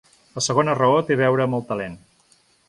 La segona raó té a veure amb el talent.